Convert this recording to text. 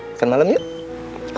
makan malam yuk